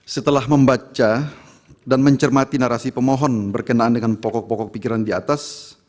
setelah membaca dan mencermati narasi pemohon berkenaan dengan pokok pokok pikiran di atas